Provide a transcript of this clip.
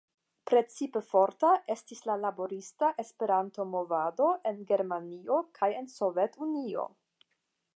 Precipe forta estis la laborista Esperanto-movado en Germanio kaj en Sovetunio.